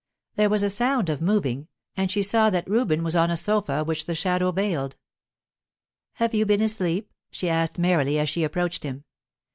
There was a sound of moving, and she saw that Reuben was on a sofa which the shadow veiled. "Have you been asleep?" she asked merrily, as she approached him.